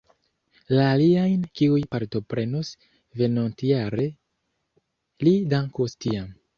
La aliajn, kiuj partoprenos venontjare, li dankos tiam.